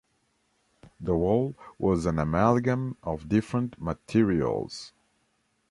The wall was an amalgam of different materials.